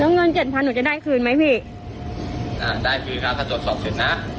เงินเจ็ดพันหนูจะได้คืนไหมพี่อ่าได้คืนครับถ้าตรวจสอบเสร็จนะ